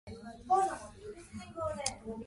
蟲の呼吸蝶ノ舞戯れ（ちょうのまいたわむれ）